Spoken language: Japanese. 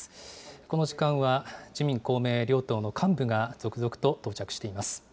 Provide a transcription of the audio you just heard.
この時間は、自民、公明両党の幹部が続々と到着しています。